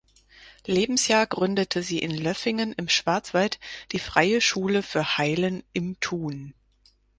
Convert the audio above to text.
Lebensjahr gründete sie in Löffingen im Schwarzwald die „Freie Schule für Heilen im Tun“.